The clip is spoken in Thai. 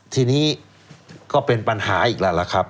ทีนี้ก็เป็นปัญหาอีกแล้วล่ะครับ